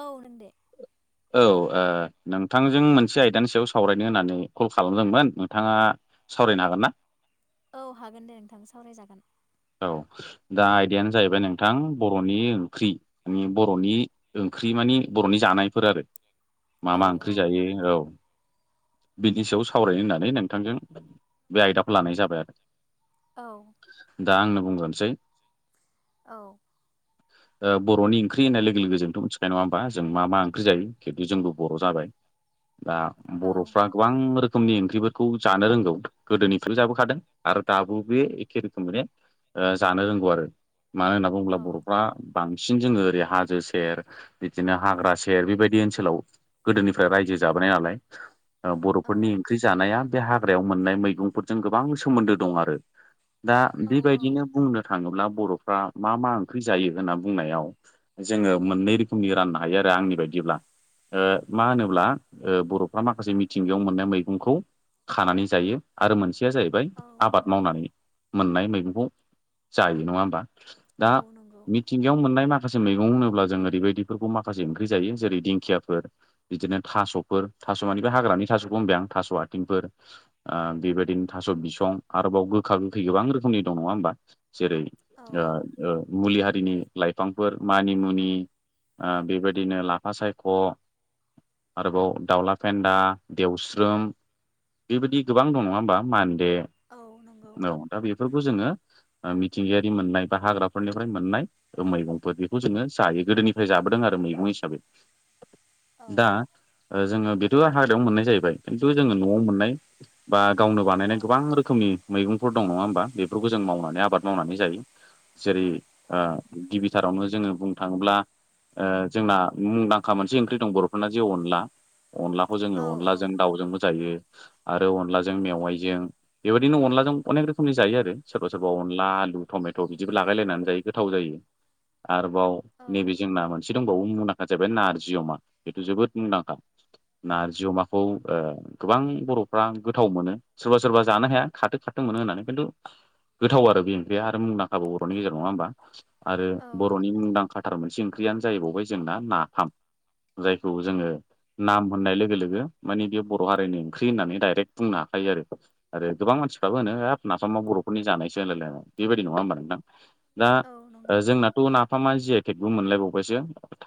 औ होन दे औ ओ नोंथांजों मोनसे आयदानि सायाव सावरायनो होननानै कल खालामदोंमोन नोंथाङा सावरायनो हागोन ना औ हागोन दे नोंथां सावरायजागोन औ दा आयदायानो जाहैबाय नोंथां बर'नि ओंख्रि माने बर'नि ओंख्रि माने बर'नि जानायफोर आरो मा औ मा औ ओंख्रि जायो औ बिनि सायाव सावरायनो होननानै नोंथांजों बे आयदाखौ लानाय जाबाय आरो औ दा आंनो बुंग्रोसै औ ओ बर'नि ओंख्रि होननाय लोगो लोगो जोंथ' मिथिखाय नङा होमबा जों मा मा ओंख्रि जायो खिन्थु जोंबो बर' जाबाय दा औ बर'फ्रा गोबां रोखोमनि ओंख्रिफोरखौ जानो रोंगौ गोदोनिफ्रायनो जाबोखादों आरो दाबो बे एखे रोखोमैनो ओ जानो रोंगौ आरो मानो होनना औ बुङोब्ला बर'फ्रा बांसिन जोङो ओरै हाजो सेर बिदिनो हाग्रा सेर बेबायदि ओनसोलाव गोदोनिफ्राय रायजो जाबोनाय नालाय ओ औ बर'फोरनि ओंख्रि जानाया बे हाग्रायाव मोननाय मैगंफोरजों गोबां सोमोन्दो दं आरो दा बेबायदिनो बुंनो थाङोब्ला बर'फ्रा मा मा ओंख्रि जायो होनना बुंनायाव जोङो मोननै रोखोमनि राननो हायो आरो आंनि बायदिब्ला मा होनोब्ला बर'फ्रा माखासे मिथिंगायाव मोननाय मैगंखौ खानानै जायो आरो मोनसेया जाहैबाय औ आबाद मावनानै मोननाय मैगंखौ जायो नङा होमबा दा औ नंगौ मिथिंयाव मोननाय माखासे मैगं होनोब्ला जों ओरैबायदिफोरखौ माखासे ओंख्रि जायो जेरै दिंखियाफोर बिदिनो थास'फोर थास' मानि बे हाग्रानि थास'खौ होनबाय आं थास' आथिंफोर ओ बेबायदिनो थास' बिसं आरोबाव गोखा गोखा खै गोबां रोखोमनि दं नङा होमबा जेरै औ औ ओ मुलि हारिनि लाइफांफोर मानि मुनि ओ बेबायदिनो लाफा सायख' आरोबाव दाउला फेन्दा देवस्रोम बेबायदि गोबां दं नङा होमबा मानदे औ नों औ दा बेफोरखौ जोङो मिथिंगायारि मोननाय बा हाग्राफोरनिफ्राय मोननाय मैगंफोर बेखौ जोङो जायो गोदोनिफ्राय जाबोदों आरो मैगं हिसाबै [inaudible] दा जोङो बेथ' हाग्रायाव मोननाय जाहैबाय खिन्थु जोङो न'आव मोननाय बा गावनो औ बानायनाय गोबां रोखोमनि मैगंफोर दं नङा होमबा बेफोरखौ जों मावनानै आबाद मावनानै जायो जेरै औ गिबि थारावनो जोङो बुंनो थाङोब्ला जोंना मुंदांखा मोनसे ओंख्रि दं बर'फोरना जे अनला अनलाखौ जोङो औ अनलाजों दाउजोंबो जायो आरो अनलाजों मेवाइजों बेबायदिनो अनला जों अनेक रोखोमनि जायो आरो सोरबा सोरबा अनला आलु टमेट' बिदिबो लागायलायनानै जायो गोथाव जायो आरोबाव औ नैबे जों ना मोनो मोनसे दंबावो मुंदांखा जाबाय नारजि अमा बेथ' जोबोद मुंदांखा नारजि अमाखौ गोबां बर'फ्रा गोथाव मोनो सोरबा सोरबा जानो हाया खाथो खाथो मोनो होननानै खिन्थु गोथाव आरो बे ओंख्रिया आरो मुंदांखाबो बर'नि गेजेराव नङा होमबा आरो औ बर'नि मुंदांखाथार मोनसे ओंख्रियानो जाहैबावबाय जोंना नाफाम जायखौ जोङो नाम होननाय लोगो लोगो माने बे बर' हारिनि ओंख्रि होननानै डाइरेक्ट बुंनो हाखायो आरो आरो गोबां मानसिफ्राबो होनो हाफ नाफामा बर'फोरनि जानायसो होनलायलायनाय बेबायदि नङा होनोबा नोंथां दा औ नंगौ जोंनाथ' नाफामा जि आइ टेकबो मोनलायबावबायसो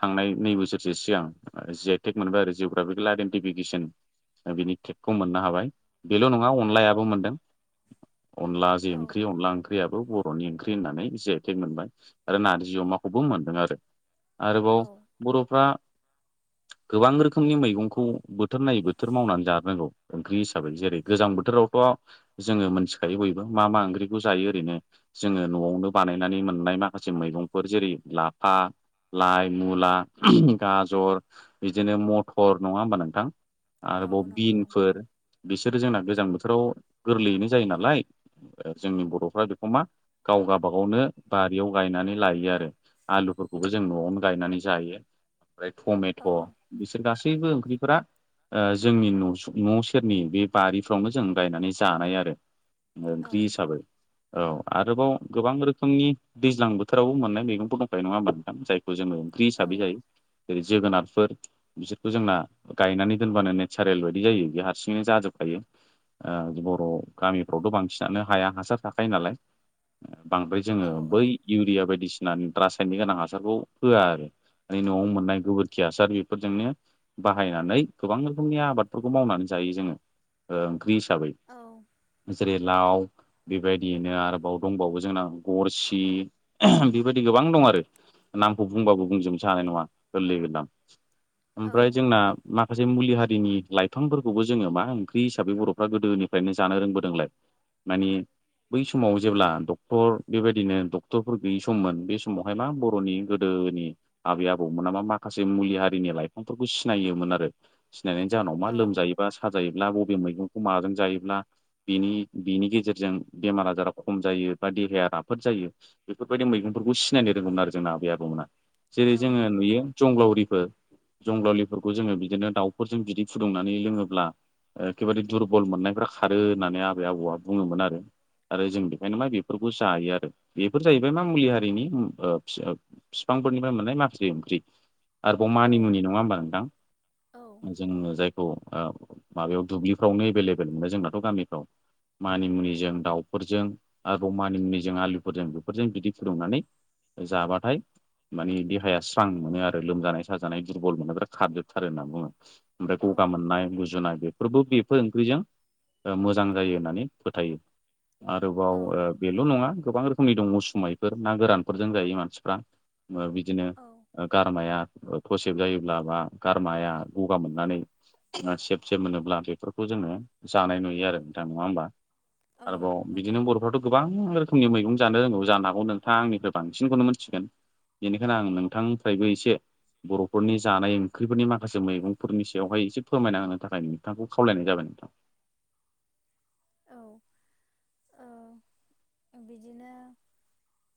थांनाय नै बोसोरसो सिगां जिआइटेक मोनबाय आरो जिअग्राफिकेल आइडेन्टिफिकेसन बिनि टेकखौ मोननो हाबाय बेल' नङा अनलायाबो मोनदों अनला जे औ ओंख्रि अनला ओंख्रि ओंख्रियाबो बर'नि ओंख्रि होननानै जेखे मोनबाय आरो नारजि अमाखौबो मोनदों आरो औ आरोबाव बर'फ्रा गोबां रोखोमनि मैगंखौ बोथोर नायै बोथोर मावनानै जानो रोंगौ ओंख्रि हिसाबै जेरै गोजां बोथोरावथ' जोङो मोनथिखायो बयबो मा मा ओंख्रिखौ जायो ओरैनो जोङो न'आवनो बानायनानै मोननाय माखासे मैगंफोर जेरै लाफा लाइ मुला गाजर बिदिनो मथर नङा होमबा नोंथां आरोबाव औ नंगौ बिनफोर बिसोरो जोंना गोजां बोथोराव गोरलैयैनो जायो नालाय जोंनि बर'फ्रा बेखौ मा गाव गावबा गावनो बारियाव गायनानै लायो आरो आलुफोरखौबो जों न'आवनो गायनानै जायो ओमफ्राय टमेट' औ बिसोर गासैबो ओंख्रिफोरा जोंनि न' सेरनि बे बारिफ्रावनो जों गायनानै जायो जानाय आरो औ ओंख्रि हिसाबै औ आरोबाव गोबां रोखोमनि दैज्लां बोथोरावबो मोननाय मैगंफोर दंखायो नङा होनबा नोंथां जाय खौ जोङो ओंख्रि औ हिसाबै जायो जेरै जोगोनारफोर बिसोरखौ जोंना गायनानै दोनबानो नेचारेल बायदि जायो बे हारसिङैनो जाजोबखायो [unintelligible] गामिफ्रावथ' बांसिनानो हाया हासार थाखायो नालाय बांद्राय जोङो औ बै इउरिया बायदिसिना रासायनिक गोनां हासारखौ होआ आरो न'आव मोननाय गोबोरखि हासार बेफोरजोंनो बाहायनानै गोबां रोखोमनि आबादफोरखौ मावनानै जायो जोङो ओंख्रि हिसाबै औ जेरै लाव बेबायदियैनो आरोबाव दंबावो जोंना गरसि बेबायदि गोबां दं आरो नामखौ बुंबाबो बुंजोबनोसो हानाय नङा गोरलै गोरलाम ओमफ्राय जोंना माखासे मुलि हारिनि लाइफांफोरखौबो जोङो मा ओंख्रि हिसाबै बर'फ्रा गोदोनि फ्रायनो जानो रोंबोदोंलाय मानि बै समाव जेब्ला डक्टर बेबायदिनो डक्टरफोर गैयि सममोन बे समावहाय मा बर'नि गो गोदोनि आबै आबौमोनामा माखासे मुलि हारिनि लाइफांफोरखौ सिनायोमोन आरो सिनायनायनि जानाव मा लोमजायोबा साजायोब्ला बबे मैगंखौ माजों जायो ब्ला बिनि बिनि गेजेरजों बेमार आजारा खम जायो बा देहाया राफोद जायो बेफोरबायदि मैगंफोरखौ सिनायनो रोंगौमोन आरो जोंना आबै आबौमोना जेरै जोङो नंगौ नुयो जंग्लावरिफोर जंग्लावरिफोरखौ जोङो बिदिनो दाउफोरजों बिदि फुदुंनानै लोङोब्ला एखेबारे दुरबल मोननायफ्रा खारो होननानै आबै आबौआ बुङोमोन आरो आरो जों बेखायनो मा बेफोरखौ जायो आरो बेफोर जाहैबाय मा मुलि हारिनि बिफांफोरनिफ्राय मोननाय माख्रि ओंख्रि आरोबाव मानिमुनि औ नङा होमबा नोंथां औ जोङो जायखौ माबायाव दुब्लिफ्रावनो एभेलेबेल मोनो जोंनाथ' गामिफ्राव मानिमुनिजों दाउफोरजों आरो मानिमुनिजों आलुफोरजों बेफोरजों बिदि फुदुंनानै जाबाथाय मानि देहाया स्रां मोनो आरो लोमजानाय साजानाय दुरबल मोनो बिदि खारजोबथारो होनना बुङो ओमफ्राय गगा मोननाय गुजुनाय बेफोरबो बेफोर ओंख्रिजों मोजां जायो होननानै फोथायो आरोबाव बेल' नङा गोबां रोख खोमनि दं उसुमायफोर ना गोरानफोरजों जायो मानसिफ्रा बिदिनो गारमाया थसेब जायोब्ला बा गारमाया गगा मोननानै सेब सेब मोनोब्ला बेफोरखौ जोङो जानाय नुयो आरो नोंथां नङा होमबा औ आरोबाव नंगौ औ नंगौ बिदिनो बर'फोराथ' गोबां रोखोमनि मैगं जानो रोंगौ जानो हागौ नोंथाङा आंनिफ्राय बांसिनखौनो मोनथिगोन बेनिखायनो आं नोंथांनिफ्रायबो एसे बर'फोरनि जानाय ओंख्रिफोरनि माखासे मैगंफोरनि सायावहाय एसे फोरमायना होनो थाखाय नोंथांखौ खावलायनाय जाबाय नोंथां। ओ बिदिनो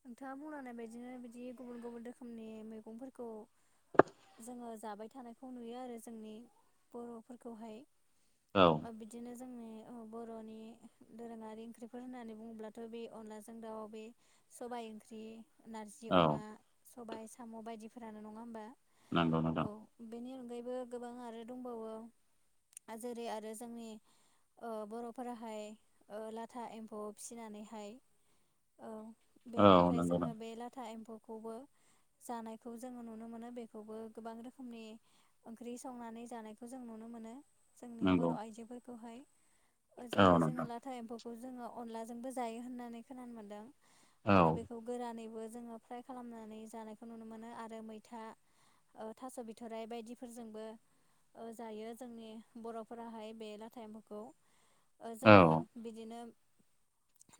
नोंथाङा बुंलांनाय बायदिनो बिदि गुबुन गुबुन रोखोमनि मैगंफोरखौ जोङो जाबाय थानायखौ नुयो आरो जोंनि बर'फोरखौहाय औ ओ बि दिनो जोंनि ओ बर'नि दोरोङारि ओंख्रिफोर होननानै बुङोब्लाथ' बे अनलाजों दाउ बे सबाइ ओंख्रि नारजि औ अमा सबाइ साम' बायदिफोरानो नङा ओमबा? नंगौ नोंथां औ बेनि अनगायैबो गोबां आरो दंबावो। ओ जेरै आरो जोंनि ओ बर'फोराहाय ओ लाथा एम्फौ फिसिनानैहाय औ औ बेनिफ्राय नंगौ जोङो नोंथां बे लाथा एम्फौखौबो जानायखौ जोङो नुनो मोनो बेखौबो गोबां रोखोमनि ओंख्रि संनानै जानायखौ जों नुनो मोनो। जोंनि नंगौ बर' आइजोफोरखौहाय ओ औ जेरै जोङो नोंथां लाथा एम्फौ खौ जोङो अनलाजोंबो जायो होननानै खोनानो मोनदों औ आरो बे खौ गोरानैबो जोङो फ्राय खालामनानै जानायखौ नुनो मोनो आरो मैथा ओ थास' बिथ'राइ बायदिफोरजोंबो ओ जायो जोंनि बर'फोराहाय बे लाथा एम्फुखौ ओ औ जोङो बिदिनो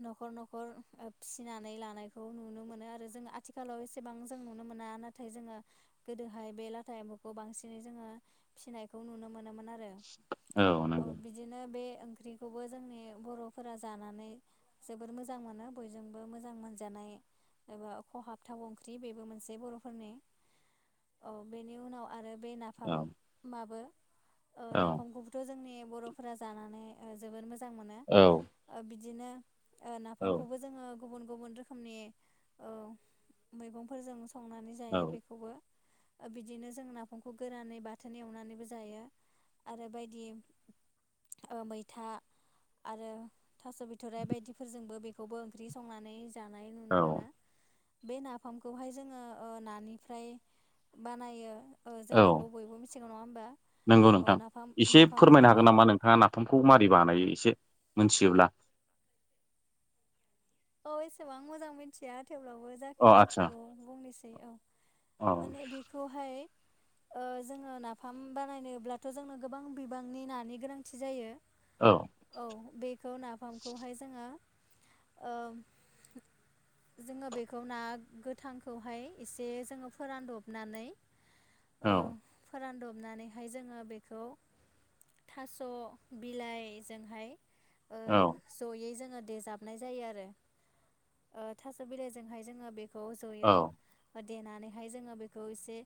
नखर नखर ओ फि सिनानै लानायखौ नुनो मोनो आरो जों आथिखालाव एसेबां जों नुनो मोना नाथाय जोङो गोदोहाय बे लाथा एम्फुखौ बांसिनै जोङो फिसिनायखौ नुनो मोनोमोन आरो। औ आरो अ नंगौ बि दिनो बे ओंख्रिखौबो जोंनि बर'फोरा जानानै जोबोर मोजां मोनो बयजों बो मोजां मोनजानाय एबा खहाब थाव ओंख्रि बेबो मोनसे बर'फोरनि। औ बेनि उनाव आरो बे औ नाफाममाबो ओ औ नाफामखौबो थ' जोंनि बर'फोरा जानानै ओ जोबोर मोजां मोनो औ ओ बिदिनो ओ औ नाफामखौबो जोङो गुबुन गुबुन रोखोमनि औ मैगंफोरजों संनानै औ जायो बेखौबो। ओ बिदिनो जों नाफामखौ गोरानै बाथोन एवनानैबो जायो आरो बायदि ओ मैथा आरो थास' बिथ'राइ बायदिफोरजोंबो बेखौबो ओंख्रि संनानै जानाय नुनो औ मोनो। बे नाफामखौहाय जोङो ओ नानिफ्राय बानायो। ओ जों औ बेखौ बयबो मिथिगौ नङा ओमबा नंगौ औ नोंथां नाफाम एसे नाफाम फोरमायनो हागोन बानायनो नामा नोंथाङा नाफामखौ मारै बानायो एसे मिथियोब्ला औ एसेबां मोजां मिथिया थेवब्लाबो अ जाखिनि आदसा मिथिगौ बुंनिसै औ औ माने बेखौहाय ओ जोङो नाफाम बानायनोब्लाथ' जोंनो गोबां बिबांनि नानि गोनांथि जायो। औ औ बेखौ नाफामखौहाय जोङो ओ जोङो बेखौ ना गोथांखौहाय एसे जोङो फोरानदबनानै ओ औ फोरानदबनानैहाय जोङो बेखौ थास' बिलाइजोंहाय ओ औ जयै जोङो देजाबनाय जायो आरो ओ थास' बिलाइजोंहाय जोङो बेखौ औ जयै देनानैहाय जोङो बेखौ एसे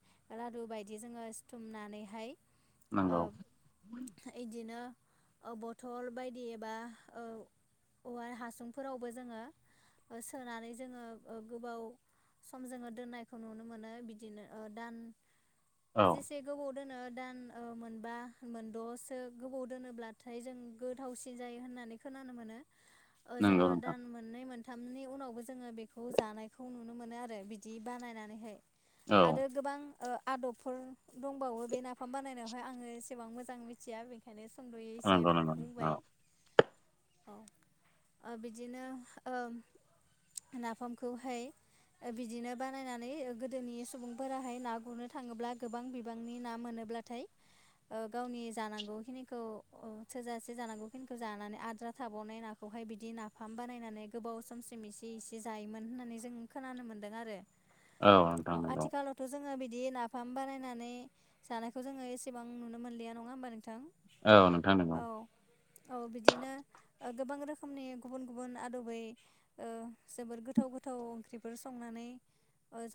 लादु बायदि जोङो सिथुमनानैहाय नंगौ ओब इदिनो ओ बथल बायदि एबा ओ औवा हासुं फोरावबो जोङो ओ सोनानै जोङो ओ गोबाव सम जोङो दोननायखौ नुनो मोनो बिदिनो दान औ जेसे गोबाव दोनो दान ओ मोनबा मोनद'सो गोबाव दोनोब्लाथाय जों गोथावसिन जायो होननानै खोनानो मोनो ओ नंगौ जोङो नोंथां दान मोननै मोनथामनि उनावबो जोङो बेखौ जानायखौ नुनो मोनो आरो बिदि बानायनानैहाय औ आरो गोबां ओ आदबफोर दंबावो बे नाफाम बानायनायावहाय आङो एसेबां मोजां मिथिया बेखायनो सद'यै एसे नंगौ नंगौ औ बुंबाय औ ओ बिदिनो ओ नाफामखौहाय बिदिनो बानायनानै गोदोनि सुबुंफोराहाय ना गुरनो थाङोब्ला गोबां बिबांनि ना मोनोब्ला थाय ओ गावनि जानांगौखिनिखौ थोजासे जानांगौखिनिखौ जानानै आद्रा थाबावनाय नाखौहाय बि बिदि नाफाम बानायनानै गोबाव समसिम एसे इसे जायोमोन होननानै जों खोनानो मोन्दों आरो औ नोंथां अ नंगौ आथिखालाव थ' जोङो बिदि नाफाम बानायनानै जानायखौ जोङो एसेबां नुनो मोनलिया नङा होमबा नोंथां औ नोंथां नंगौ औ औ बिदिनो गोबां रोख खोमनि गुबुन गुबुन आदबै जोबोर गोथाव गोथाव ओंख्रिफोर संनानै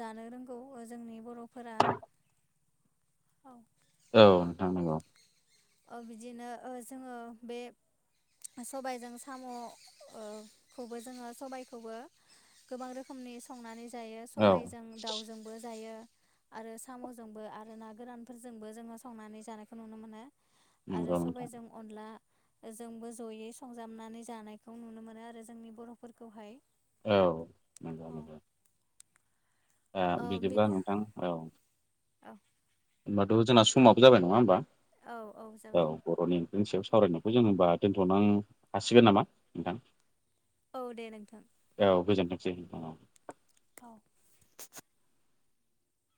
जानो रोंगौ जोंनि बर'फोरा औ औ नोंथां नंगौ ओ बिदिनो जोङो बे सबायजों साम'खौबो जोङो सबायखौबो गोबां रोख खोमनि संनानै जायो औ सबायजों दाउजोंबो जायो आरो साम'जोंबो आरो ना गोरानफोरजोंबो जोङो संनानै जानायखौ नुनो मोनो आरो नंगौ नोंथां सबायजों अनला जोंबो जयै संजाबनानै जानायखौ नुनो मोनो आरो जोंनि बर'फोरखौहाय औ नोंगो औ दा बिदिब्ला नोंथां औ अ ओमबाथ' जोंना समाबो जाबाय नङा ओमबा? औ-औ जाबाय बर'नि ओंख्रिनि सायाव सावरायनायखौ जों होमबा दोन्थ'नो हासिगोन नामा नोंथां औ दे नोंथां औ गोजोनथोंसै नोंथां औ। औ